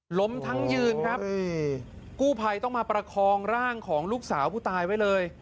ล้มทั้งยืนครับกู้ภัยต้องมาประคองร่างของลูกสาวผู้ตายไว้เลย